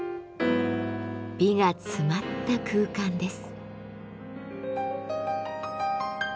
美が詰まった空間です。